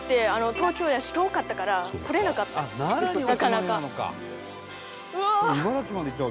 東京やし遠かったから来られなかったんですなかなか。